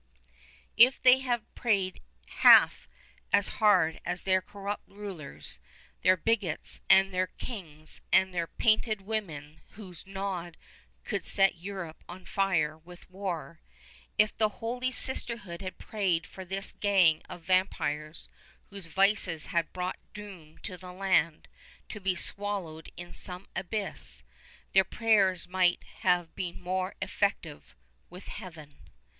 If they had prayed half as hard that their corrupt rulers, their Bigots and their kings and their painted women whose nod could set Europe on fire with war, if the holy sisterhood had prayed for this gang of vampires whose vices had brought doom to the land, to be swallowed in some abyss, their prayers might have been more effective with Heaven.